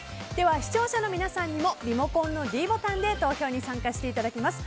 視聴者の皆さんにもリモコンのｄボタンで投票に参加していただきます。